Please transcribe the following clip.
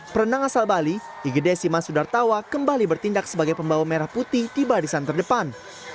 perenang asal bali igede sima sudartawa kembali bertindak sebagai pembawa merah putih di barisan terdepan